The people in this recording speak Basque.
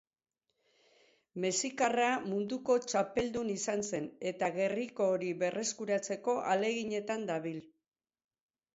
Mexikarra munduko txapeldun izan zen eta gerriko hori berreskuratzeko ahaleginetan dabil.